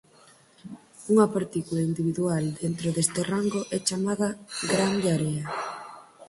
Unha partícula individual dentro deste rango é chamada "gran de area".